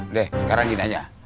udah sekarang gini aja